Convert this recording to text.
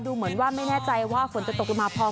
ดูเหมือนว่าไม่แน่ใจว่าฝนจะตกลงมาพอ